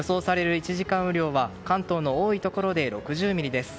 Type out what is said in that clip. １時間雨量は関東の多いところで６０ミリです。